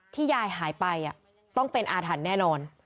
ยายหายไปต้องเป็นอาถรรพ์แน่นอน